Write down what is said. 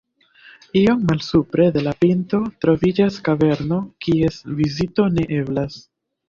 Iom malsupre de la pinto troviĝas kaverno, kies vizito ne eblas.